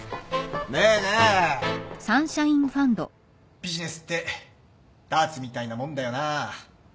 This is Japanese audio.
ビジネスってダーツみたいなもんだよな。